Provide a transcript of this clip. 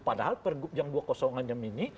padahal pergub yang dua ratus enam ini